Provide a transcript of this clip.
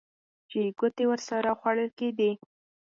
چې ګوتې ورسره خوړل کېدې.